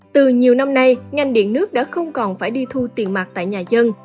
từ nhiều năm nay ngành điện nước đã không còn phải đi thu tiền mặt tại nhà dân